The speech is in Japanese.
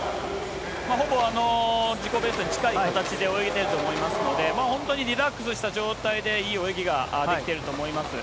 ほぼ自己ベストに近い形で泳げてると思いますので、本当にリラックスした状態で、いい泳ぎができてると思います。